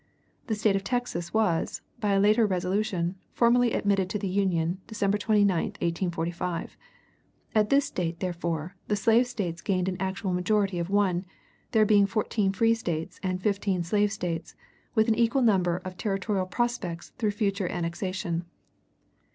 The State of Texas was, by a later resolution, formally admitted to the Union, December 29, 1845. At this date, therefore, the slave States gained an actual majority of one, there being fourteen free States and fifteen slave States, with at least equal territorial prospects through future annexation.